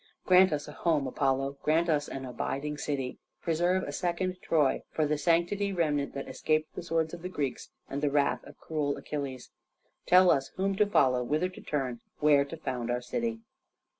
"Grant us a home, Apollo, grant us an abiding city. Preserve a second Troy for the scanty remnant that escaped the swords of the Greeks and the wrath of cruel Achilles. Tell us whom to follow, whither to turn, where to found our city."